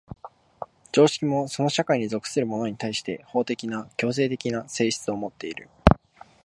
常識もその社会に属する者に対して法的な強制的な性質をもっている。